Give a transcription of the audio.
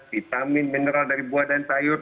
vitamin mineral dari buah dan sayur